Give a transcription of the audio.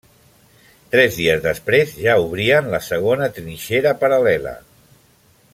Tres dies després ja obrien la segona trinxera paral·lela.